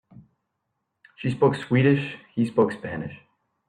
She spoke Swedish, he spoke Spanish.